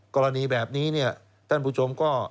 กรณีแบบนี้เนี่ยท่านผู้ชมก็